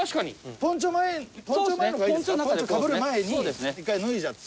ポンチョかぶる前に一回脱いじゃって。